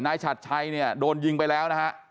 นายฉัดชัยโดนยิงไปแล้ว